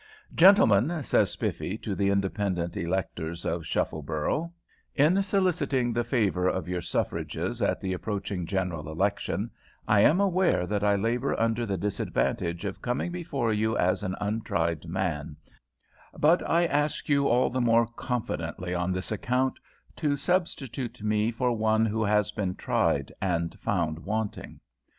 "Gentlemen," says Spiffy to the independent electors of Shuffleborough, "in soliciting the favour of your suffrages at the approaching general election, I am aware that I labour under the disadvantage of coming before you as an untried man, but I ask you all the more confidently on this account to substitute me for one who has been tried and found wanting.